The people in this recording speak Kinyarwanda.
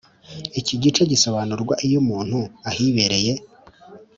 iki gice gisobanurwa iyo umuntu ahibereye?